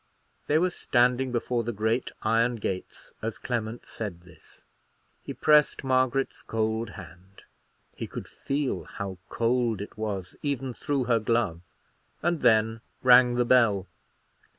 They were standing before the great iron gates as Clement said this. He pressed Margaret's cold hand; he could feel how cold it was, even through her glove; and then rang the bell.